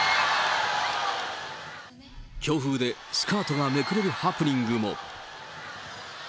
強風でスカートがめくれるハプニングも。